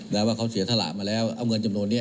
แล้วว่าเขาเสียสละมาแล้วเอาเงินจำนวนนี้